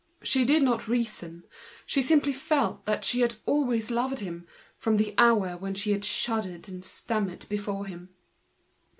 She did not argue with herself, she simply felt that she had always loved him from the hour she had shuddered and stammered before him.